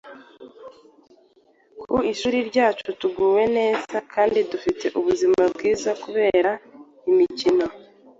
Ku ishuri ryacu tuguwe neza, kandi dufite ubuzima bwiza kubera imikino.